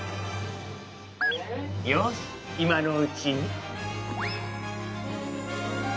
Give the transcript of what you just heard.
よしいまのうちに！